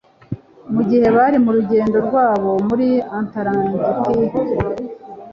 mugihe bari mu rugendo rwabo muri Antaragitika